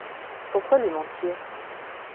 Pourquoi lui mentir?